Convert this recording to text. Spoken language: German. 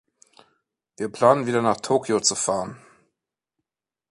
Wir planen wieder nach Tokio zu fahren.